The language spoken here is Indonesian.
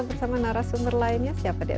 bersama narasumber lainnya siapa dia